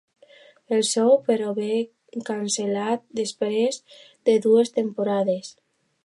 El show però ve cancel·lat després de dues temporades.